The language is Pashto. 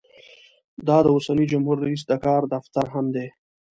دا د اوسني جمهور رییس د کار دفتر هم دی.